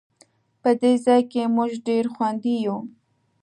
په دې ځای کې مونږ ډېر خوندي یو